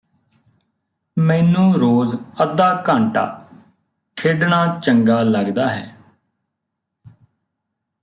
ਮੈਨੂੰ ਰੋਜ਼ ਅੱਧਾ ਘੰਟਾ ਖੇਡਣਾ ਚੰਗਾ ਲੱਗਦਾ ਹੈ